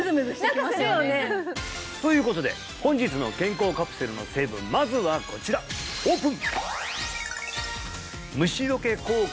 何かするよねということで本日の健康カプセルの成分まずはこちらオープン！